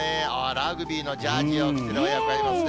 ラグビーのジャージを着てる親子がいますね。